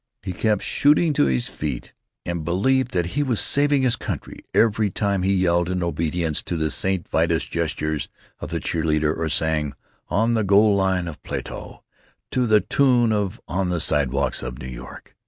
He kept shooting to his feet, and believed that he was saving his country every time he yelled in obedience to the St. Vitus gestures of the cheer leader, or sang "On the Goal line of Plato" to the tune of "On the Sidewalks of New York."